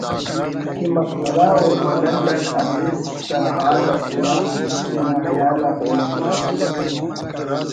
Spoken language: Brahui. کہ مسخرہ و ملنڈ اٹ اسے سرہال ئسے آ تینا خیال آتے نوشتہ کیک تو